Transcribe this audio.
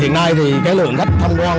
hiện nay thì lượng khách tham quan